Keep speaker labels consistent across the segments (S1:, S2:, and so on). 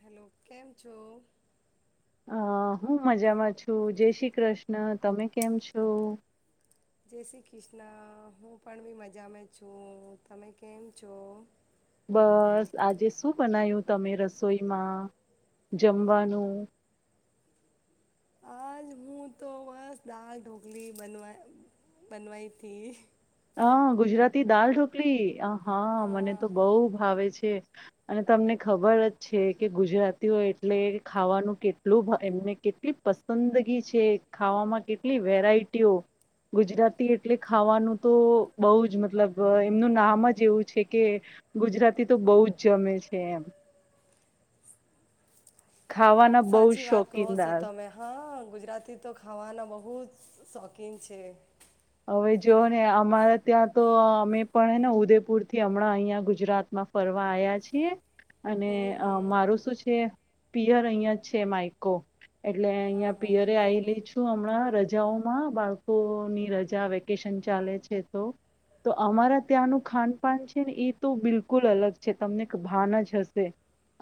S1: Hello કેમ છો
S2: હ હું મજામાં છું જય શ્રી કૃષ્ણ તમે કેમ છો
S1: જય શ્રી કૃષ્ણ હું પણ બી મજામાં છું તમે કેમ છો?
S2: બસ આજે શું બનાયું તમે રસોઈમાં, જમવાનું
S1: આજ હું તો બસ દાલ ઢોકલી બનવા, બનવાઈ હતીથી
S2: હા, ગુજરાતી દાલ ઢોકલી આહ હા મને તો બહુ ભાવે છે અને તમને ખબર જ છે કે ગુજરાતીઓ એટલે ખાવાનું કેટલું એમને કેટલી પસંદગી છે, ખાવામાં કેટલી વેરાયટીઓ ગુજરાતી એટલે ખાવાનું તો બહુ જ મતલબ એમનું નામ જ એવું છે કે ગુજરાતી તો બહુ જ જમે છે એમ ખાવાના બહુ
S1: સાચી વાત કહો છો
S2: શોકીનદાર
S1: તમે હા ગુજરાતી તો ખાવાના બહુ જ શોખીન છે
S2: હવે જોઓ ને અમારા ત્યાં તો અમે પણ ને ઉદેપુર થી હમણાં અહિયાં ગુજરાતમાં ફરવા આવ્યા છીએ. અને
S1: હમ હમ
S2: મારું શું છે પિયર અહીંયા જછે, માયકો એટલે
S1: હા
S2: અહિયાં
S1: હા
S2: પિયરે આલી છું. હણા રજાઓમાં બાળકોની [unintelligible] જ્યાં વેકેશન ચાલે છે, તો તો અમારા ત્યાંનું ખાનપાન છે ને એ તો બિલકુલ અલગ છે, તમને ભાન જ હશે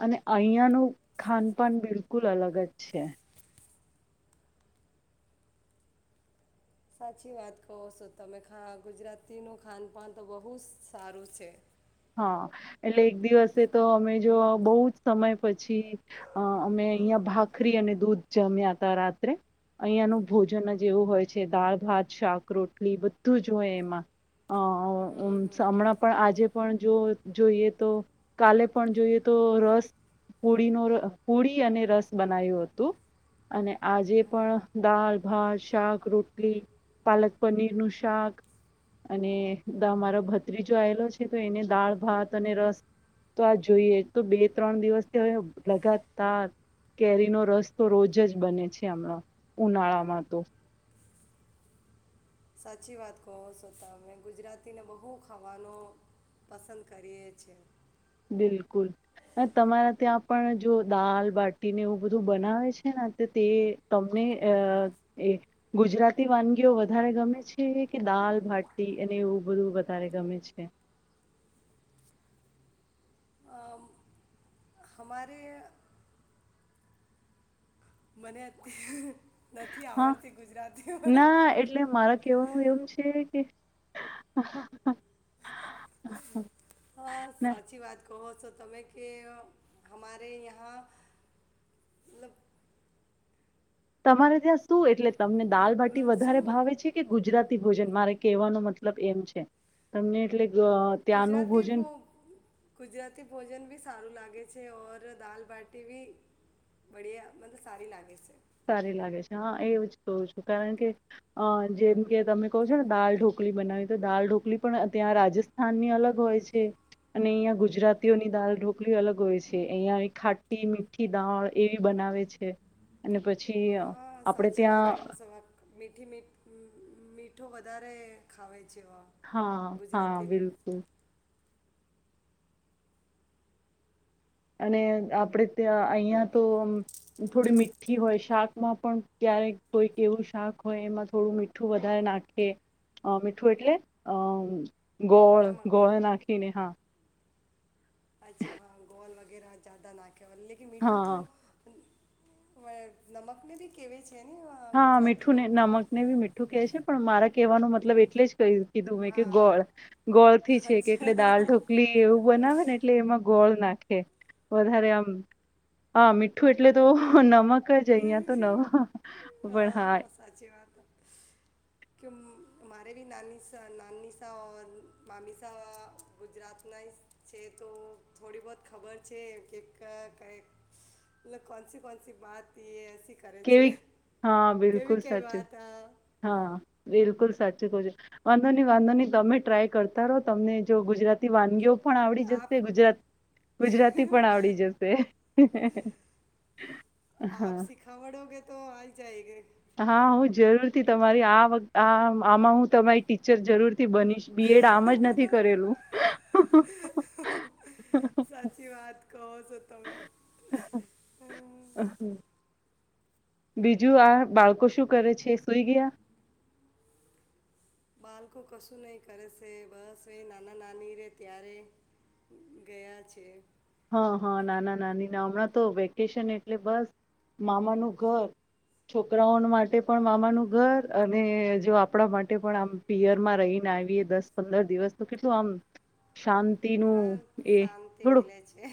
S2: અને અહીંયાનું ખાનપાન બિલકુલ અલગ જ છે.
S1: સાચી વાત કહો છો તમે ખા ગુજરાતીનું ખાનપાન તો બહુ સારું છે.
S2: હા એટલે એક દિવસે તો અમે જો બહુ જ સમય પછી અ અમે અહિયાંયા ભાખરી અને દૂધ જમ્યા હતા રાત્રે અહીયાંયાનું ભોજન જે એવું હોય છે, દાળ ભાત શાક રોટલી બધું જ હોય એમાં હમણાં પણ આજે પણ જો જોઈએ તો કાલે પણ જોઈએ તો રસ પુડીનો પુડી અને રસ બનાવું હતું અને આજે પણ દાલ ભાત શાક રોટલી પાલક પનીર નું શાક અને મારો ભત્રીજો આવેલો છે. તો એને દાળ ભાત અને રસ તો આ જોઈએ તો બે ત્રણ દિવસ હવે લગાતા કેરીનો રસ તો રોજ જ બને છે, હમણાં ઉનાળામાં તો
S1: સાચી વાત કહો છો તમે ગુજરાતીને બહુ ખાવાનું પસંદ કરીએ છેએ
S2: બિલકુલ તમારા ત્યાં પણ જો દાલ બાટીને એવું બધું બનાવે છે, ને તે તમને અ એ ગુજરાતી વાનગીઓ વધારે ગમે છે, કે દાલ બાટી અને એવું બધું વધારે ગમે છે.
S1: અમ, હમારે મને નથી
S2: હા
S1: આવડતી ગુજરાતી પણ
S2: ના એટલે મારા કેવા એવું છે, કે [inaudible]
S1: હા સાચી વાત કહો [unintelligible] કે હમારે યહાં એં મતલબ
S2: તમારે ત્યાં શું એટલે તમને દાલબાટી
S1: અ, શું
S2: વધારે ભાવે છે, કે ગુજરાતી ભોજન મારે કેવાનો મતલબ એમ છે, તમને એટલે ગ ત્યાંનું
S1: ગુજરાતી
S2: ભોજન
S1: [unintelligible] ગુજરાતી ભોજન બી સારું લાગે છે. [unintelligible] દાલ બાટી [unintelligible] બડિયા મબ સારી લાગે છે.
S2: સારી લાગે છે. હા એવું જ કહું છું. કારણ કે, અ જેમ કે તમે કહો છો ને દાલ ઢોકલી બનાવી તો દાલ ઢોકલી પણ ત્યાં, રાજસ્થાનની અલગ હોય છે. અને અહીંયા ગુજરાતીઓની દાલ ઢોકલી અલગ હોય છે, અહં ખાટી મીઠી દાળ એવી બનાવે છે. અને પછી
S1: હ
S2: આપણે
S1: સાચી વાત
S2: ત્યાં
S1: કહું [unintelligible] મીઠી મીઠ મીઠો વધારે ખાવે છે. વા
S2: હા હા
S1: ગુજરાતી
S2: બિલકુલ અને આપણેે ત્યા [unintelligible] તો થોડી મીઠી હોય શાકમાં પણ ક્યારેક કોઈક એવું શાક હોય એમાં થોડું મીઠું વધારે નાખે મીઠું એટલે અ ગોળ
S1: નમક
S2: ગોળ નાખીને હા
S1: અચ્છા હા ગોલ વગેરા જદા [unintelligible] [unintelligible] મીઠું તો.
S2: હા
S1: હ નમકનીથી કેવી
S2: હા મીઠું ને નમકને [unintelligible] મીઠું [unintelligible] છે. પણ મારા કહેવાનો મતલબ એટલે જ કહ્યું. કીધું મેં કે ગોળ ગોળ થી છે, કે
S1: અચ્છા
S2: એટલે દાળ ઢોકલી એવું બનાવે ને એટલે એમાં ગોળ નાખે વધારે આમ હા મીઠું એટલે તો નમક. [unintelligible] તો નવા
S1: હા સાચી વાત કે મ મારે બી નાની સા નાની શા ઓર મામીસા ગુજરાતનાઇ છે. તો થોડી બહુત ખબર છે કે ક કઇ મત કોન સી કોન સી વાત
S2: કેવી, હા બિલકુલ
S1: કેવી કેવી
S2: સચ
S1: વાત હા.
S2: હા બિલકુલ સાચું કહુ છું, વાંધોની વાંધોની. તમે ટ્રાય કરતા રહો તમને જો ગુજરાતી વાનગીઓ પણ આવડી
S1: આપ
S2: જશે. ગુજરાતી ગુજરાતી પણ આવડી જશે. [unintelligible] હા
S1: ખાવડોગે તો આઇ જાયગે
S2: હા હું જરૂરથી તમારી આ વક આ આમાં હું તમારી ટીચર જરૂર
S1: સાચી વાત કહો છો. તોમે હ
S2: બીજું આ બાળકો શું કરે છે? સુઈ ગયા?
S1: બાળકો કશું નહી કરે છે. બસ એ નાના નાની રે ત્યારે ગયા છે.
S2: હા હા, નાના નાની ના હમણાં તો વેકેશન એટલે બસ મામાનું ઘર. છોકરાઓ માટે પણ મામાનું ઘર અને જો આપણા માટે પણ આમ પિયરમાં રહીને આવીએ દસ પંદર દિવસ તો કેટલું આમ શાંત તી નું
S1: હા
S2: એ
S1: શાંતિ
S2: થોડો
S1: મિલે છે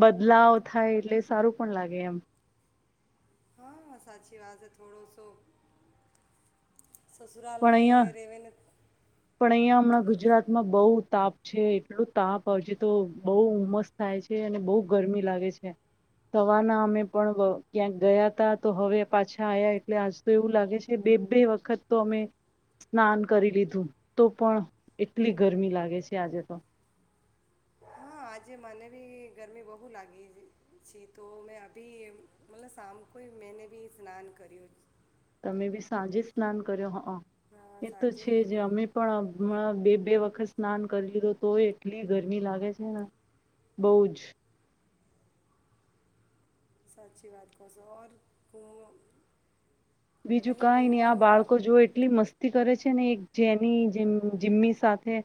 S2: બદલાવ થાય એટલે સારું પણ લાગે એમ
S1: હા સાચી વાત છે. થોડોસો સસુરાલ
S2: પણ
S1: મે
S2: અહિયાં
S1: રેવેેને
S2: પણ અહીયાં હમણાં ગુજરાતમાં બહુ તાપ છે. એટલું તાપ હજુ તો બહુ ઉમસ થાય છે. અને બહુ ગરમી લાગે છે. સવારના અમે પણ વ ક્યાંક ગયા તા તો હવે પાછા આયા. એટલે આજ તો એવું લાગે છે બે બે વખત તો અમે સ્નાન કરી લીધું. તો પણ એટલી ગરમી લાગે છે આજે તો.
S1: હા આજે મને બી ગરમી બહુ લાગી છે. તો મેં અભી મતલબ સામ કોઈ મેને બી સ્નાન કર્યું.
S2: તમે બી સાંજે જ સ્નાન કર્યો હ
S1: હા
S2: એ તો
S1: સાંજે
S2: છે જ
S1: કર્યું
S2: અમે પણ હમણાં બે. બે વખત સ્નાન કરી લીધો તો એ એટલી ગરમી લાગે છે ને. બહુ જ
S1: સાચી વાત કશ ઓર કો
S2: બીજું કઈ નહી આ બાળકો જો એટલી મસ્તી કરે છ ને એક જેની જેમ જીમ્મી સાથે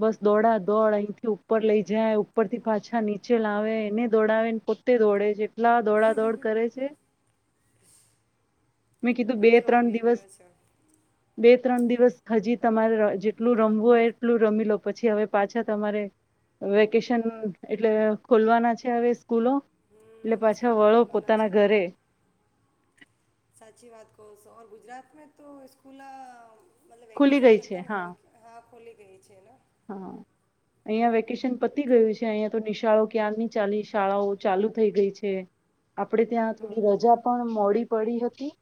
S2: બસ દોડા દોડ અહીથી ઉપર લઈ જાય ઉપર થી પાછા નીચે લાવે, એને દોડાવે ને પોતે દોડે છે. લા દોડા દોડ કરે છે મેં કીધું બે
S1: મજો
S2: ત્રણ
S1: આવી
S2: દિવસ
S1: ગયો છે
S2: બે ત્રણ દિવ દિવસ હજી તમારે જેટલું રમવું હોય એટલું રમી લો. પછી હવે પાછા તમારે વેકેશન એટલે ખોલવાના છે હવે સ્કૂલો, એટલે
S1: હમ
S2: પાછા
S1: સ્કૂલો
S2: વળો
S1: ખોલવાના છે
S2: પોતાના ઘરે.
S1: સાચી વાત કહો છો. ગુજરાત મે તો સ્સ્કૂલા મતલબ
S2: ખુલી
S1: વેકેશન
S2: ગઈ છે
S1: ખતમ
S2: હા
S1: હોય હા ખોલી ગઈ છેને
S2: હા અહંયા વેકેશન પતી ગયું છે. અહિયાયા તો નિશાળો ક્યા્ર ની ચાલી શાળાઓ ચાલુ થઈ ગઈ છે. આપડે ત્યાં થોડી
S1: હા
S2: રજા પણ મોળી પડી હતી.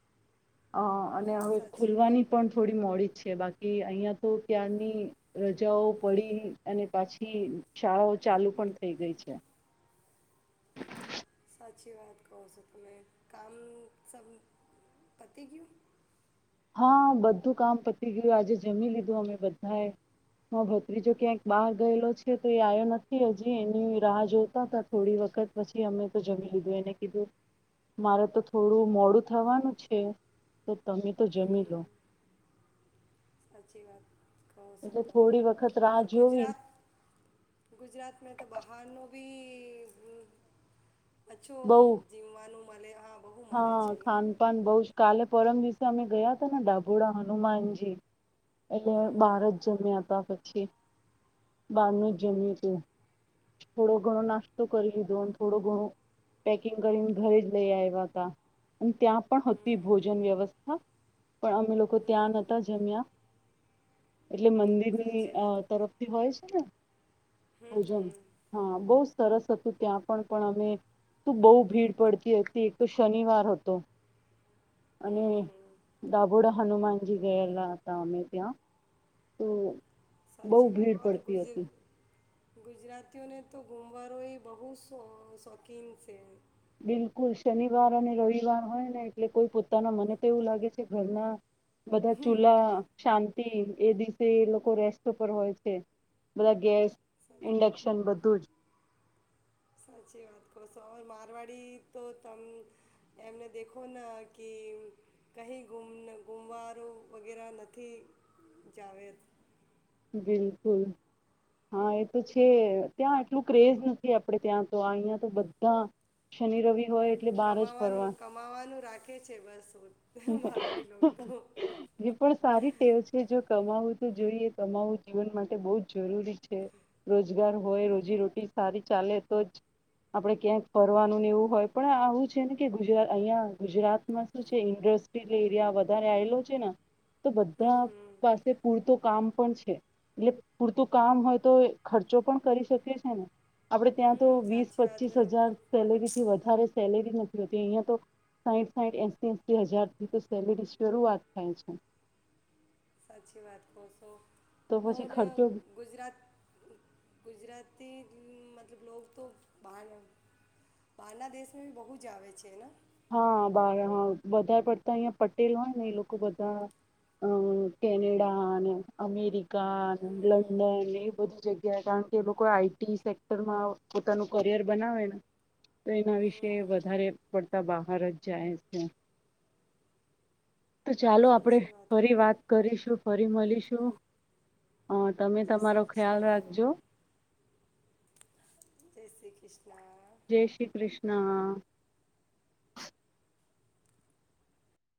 S2: અ અને
S1: હા
S2: હવે
S1: સાચી વાત
S2: ખુલવાની પણ થોડી મોડી જ છે, અને બાકી. કે અહિયાં તો ત્યારની. જઓ પડી અને પાછી શાળાઓ ચાલુ પણ થઈ ગઈ છે.
S1: [unintelligible] વાત કહો છો તમે કામ સબ પતિ. [unintelligible]
S2: હા બધું કામ પતી ગયું આજે જમી લીધું અમે બધાએ ભત્રીજો ક્યાંક બહાર ગયેલો છે, તો એ આવ્યો નથી હજી એની રાહ જોતા હતા થોડી વખત પછી અમે તો જમી લીધું એને કીધું મારે તો થોડું મોડું થવાનું છે, તો તમે. તો જમી લો.
S1: સાચી વાત.
S2: એટલે થોડી વખત રાહ
S1: [unintelligible]
S2: જોવી
S1: ગુજરાત ગુજરાત મે તો બહાર ન.
S2: બહુ
S1: [unintelligible] જીવવાનું. [unintelligible]
S2: હા
S1: છે ને
S2: ખાનપાન બહુ જ કલે. પરમ દિવસે અમે ગયા હતા ને ડાભોળ હનુમાનજી. એટલે બહાર જ જમ્યા હતા. બાર [unintelligible] જ જમય તું થોડો ઘણો નાસ્તો કરી લીધો અને થોડો ઘણો પેકિંગ કરીને ઘરે જ લઈ આવ્યા. ત્યાં પણ હતી ભોજન વ્યવસ્થા પણ અમે લોકો ત્યાં નતા જમ્યા. એટલે મંદિરની
S1: સાચી
S2: અ
S1: વાત કહો
S2: તરફથી હોય છે, ને. ઓજન હા બ સરસ હતું ત્યાં પણ પણ અમે ત બહુ ભીડ પડતી હતી. ત શનિવાર હતો હતો અને
S1: હમ હમ
S2: દાભોડા હનુમાનજી ગયેલા હતા અમે ત્યાં બહુ
S1: સાચી
S2: ભીડ
S1: વાત ઓર
S2: પડતી
S1: ગુજર
S2: હતી.
S1: ગુજરાતીઓને તો ગુમવારો એ [unintelligible] શોખીન છે.
S2: બિલકુલ શનિવાર અને રવિવાર હોય ને એટલે કોઈ પોતાના મને તો એવું લાગે છે, ઘરના બધા ચૂલા શાંત એ દિવસે એ લોકો [unintelligible] પર હોય છે, બધા ગેસ.
S1: સા-
S2: ઇન્ડક્શન બધું જ
S1: સાચી વાત કહ છો મારવાડી તો તમે એમને દેખો ને કે કઈ ગુમ ગુમવારો વગેરે નથી જાવ
S2: બિલકુલ હા એ તો છે, ત્યાં એટલું ક્રેઝ નથી આપડે ત્યાં તો આ અહિયાં તો બધા શનિ રવિ. હોય એટલે બહાર જ
S1: કમાવાનું
S2: ફરવા
S1: કમાવાનું રાખે છે, બસ. મારવાડી લોકો તો
S2: એ પણ સારી ટેવ છે, જો કમાું તો જોઈએ કમાવું જીવન માટે બહ જ જરૂરી છે, રોજ. રોજગાર હોય રોજી રોટી સારી. ચાલે તો જ આપડે ક્યાંક ફરવાનું ને એવું હોય પણ આવું છે, ને કે ગુજરાત અહિયાં ગુજરાતમાં શું છે. એરિયા વધારે આવેલો છે, ને તો
S1: હમ
S2: બધા
S1: હમ
S2: પાસે પૂરતો કામ પણ છે એટલે પૂરતું કામ હોય તો ખર્ચો પણ કરી શકી છે ને આપડે ત્યાં તો
S1: હમ
S2: વીસ
S1: સાચી વાત
S2: પચીસ
S1: કહો છો.
S2: હજાર
S1: પોત
S2: સેલેરી થી વધારે સેલેરી યા તો સાઈઠ સાઈઠ એંશી હજાર થી તો સેલેરી શરૂઆત થાય છે.
S1: સાચી વાત ખૂબ
S2: તો પછી ખર્ચો
S1: મતલબ લોકો તો બહના બહારના દેશમાં ભી બહુ જ આવેે છેને
S2: હા બાર હા વધારે પડતા અહીં પટેલ હોય ને એ લોકો બધા અ કેનેડા ને અમેરિકા કા લંડન એ બધી જગ્યા કારણ કે એ લોકો આઈટી સેક્ટરમાં પોતાનું કરિયર બનાવે ને તો એના
S1: હમ
S2: વિશે વધારે પડ બહાર જ જાય છે. તો ચાલો આપડે ફરી વાત કરીશું. ફરી મળીશું. હ તમે
S1: જય
S2: તમારો
S1: શ્રી
S2: ખ્યાલ
S1: કૃષ્ણ
S2: રાખજો.
S1: જય શ્રી કૃષ્ણ.
S2: જય શ્રી કૃષ્ણ.